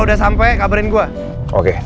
apa bapak ketangkep